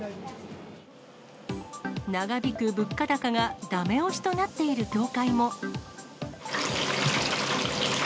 長引く物価高がだめ押しとなっている業態も。